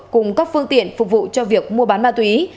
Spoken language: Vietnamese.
cùng các phương tiện phục vụ cho việc mua bán ma túy